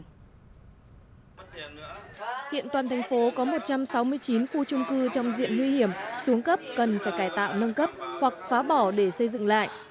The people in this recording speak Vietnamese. hiện toàn thành phố có một trăm sáu mươi chín khu trung cư trong diện nguy hiểm xuống cấp cần phải cải tạo nâng cấp hoặc phá bỏ để xây dựng lại